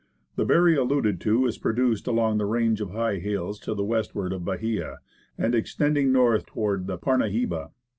The berry alluded to is produced along the range of high hills to the westward of Bahia, and extending north toward the Parnahiba.